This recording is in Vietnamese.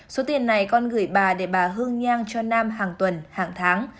số tiền này con gửi bà để bà hương nhang cho nam hàng tuần hàng tháng